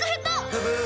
「ブブー！」